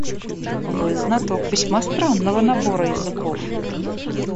Вы знаток весьма странного набора языков.